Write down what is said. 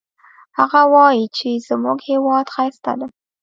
هغه وایي چې زموږ هیواد ښایسته ده